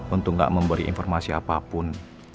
untuk gak memberi informasi apapun